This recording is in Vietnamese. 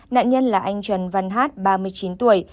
nạn nhân là anh trần văn hát ba mươi chín tuổi